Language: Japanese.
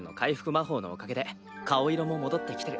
魔法のおかげで顔色も戻ってきてる。